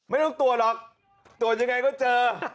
ไม่ต้องตรวจหรอกตรวจยังไงก็เจอ